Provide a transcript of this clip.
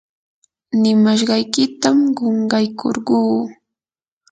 nimashqaykitam qunqaykurquu.